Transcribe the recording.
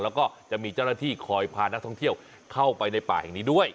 แล้วก็จะมีเจ้าหน้าที่คอยพานักท่องเที่ยวเข้าไปในป่าแห่งนี้ด้วย